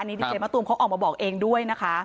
ดีเจมะตูมเขาออกมาบอกเองด้วยนะคะ